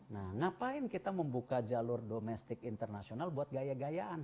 nah ngapain kita membuka jalur domestik internasional buat gaya gayaan